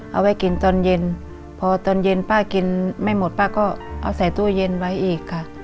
เอาไว้กินตอนเย็นพอตอนเย็นป้ากินไม่หมดป้าก็เอาใส่ตู้เย็นไว้อีกค่ะ